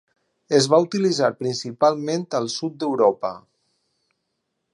Es va utilitzar principalment al sud d'Europa.